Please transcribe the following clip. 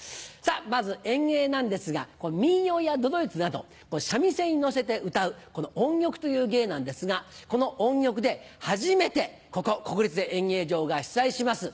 まず演芸なんですが民謡や都々逸など三味線に乗せて歌う音曲という芸なんですがこの音曲で初めてここ国立演芸場が主催します